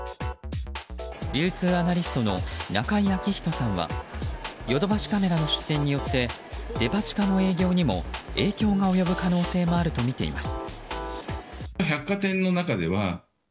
流通アナリストの中井彰人さんはヨドバシカメラの出店によってデパ地下の営業にも影響が及ぶ可能性があるとみています。